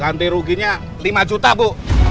ganti ruginya lima juta bu